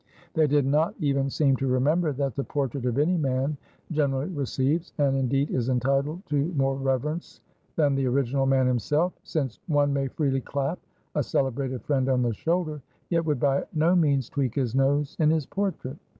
They did not even seem to remember that the portrait of any man generally receives, and indeed is entitled to more reverence than the original man himself; since one may freely clap a celebrated friend on the shoulder, yet would by no means tweak his nose in his portrait.